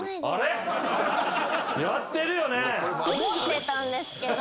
思ってたんですけど。